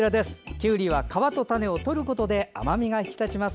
きゅうりは皮と種を取ることで甘みが引き立ちます。